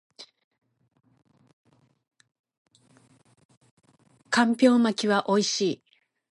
干瓢巻きは美味しい